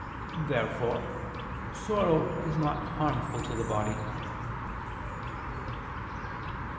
Therefore sorrow is not harmful to the body. Obj.